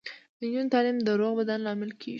د نجونو تعلیم د روغ بدن لامل کیږي.